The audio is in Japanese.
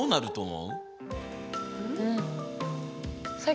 うん。